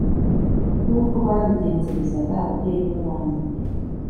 nk'uko babigenzerezaga ababyeyi b'abami